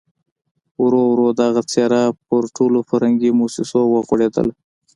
ورو ورو دغه څېره پر ټولو فرهنګي مؤسسو وغوړېدله.